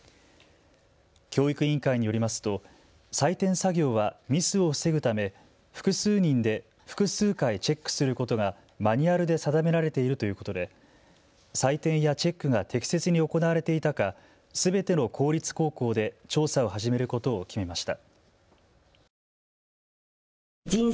教育委員会によりますと採点作業はミスを防ぐため複数人で複数回チェックすることがマニュアルで定められているということで採点やチェックが適切に行われていたかすべての公立高校で調査を始めることを決めました。